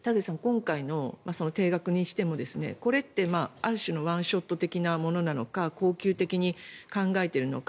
今回の定額にしてもこれって、ある種のワンショット的なものなのか恒久的に考えているのか